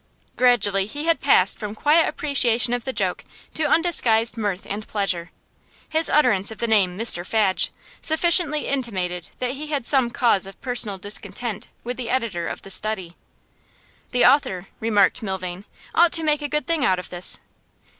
Gradually he had passed from quiet appreciation of the joke to undisguised mirth and pleasure. His utterance of the name 'Mr Fadge' sufficiently intimated that he had some cause of personal discontent with the editor of The Study. 'The author,' remarked Milvain, 'ought to make a good thing out of this.